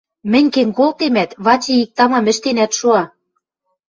Мӹнь кен колтемӓт, Вачи иктӓ-мам ӹштенӓт шуа.